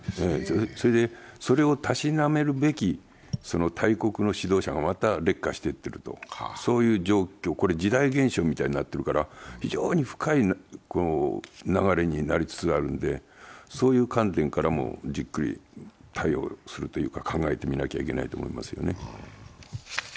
それをたしなめるべき大国の指導者が、また劣化していっているという状況、これ時代現象みたいになっているから、非常に深い流れになりつつあるのて、そういう観点からもじっくり対応するというか考えてみなければいけないと思いますね。